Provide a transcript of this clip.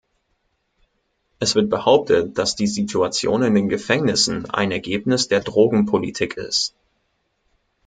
Es wird behauptet, dass die Situation in den Gefängnissen ein Ergebnis der Drogenpolitik ist.